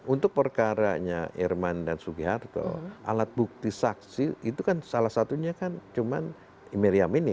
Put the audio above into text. untuk perkaranya irman dan sugiharto alat bukti saksi itu kan salah satunya kan cuma miriam ini